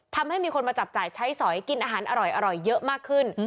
ทำให้มีคนมาจับจ่ายใช้สอยกินอาหารอร่อยเยอะมากขึ้น